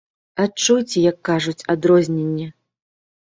Адчуйце, як кажуць, адрозненне!